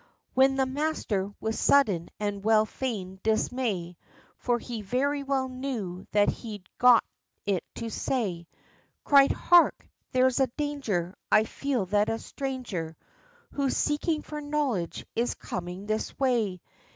When the master, with sudden and well feigned dismay, For he very well knew that he'd got it to say, Cried 'Hark, there is danger, I feel that a stranger Who's seeking for knowledge is coming this way!'